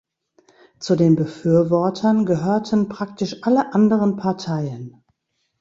Zu den Befürwortern gehörten praktisch alle anderen Parteien.